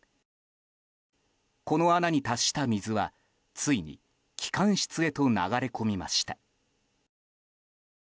この穴に達した水は、ついに機関室へと流れ込みました。